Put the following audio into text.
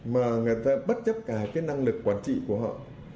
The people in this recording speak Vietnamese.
mà người ta bất chấp cả cái năng lực quản trị của họ